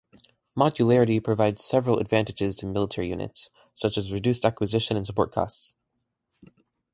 Modularity provides several advantages to military units, such as reduced acquisition and support costs.